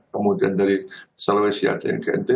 kemudian dari sulawesi ada yang ke ntt